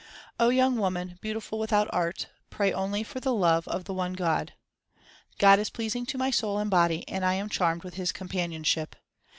young woman, beautiful without art, pray only for the love of the one God. God is pleasing to my soul and body, and I am charmed with His companionship.